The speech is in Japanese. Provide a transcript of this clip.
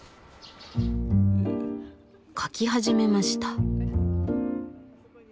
描き始めました。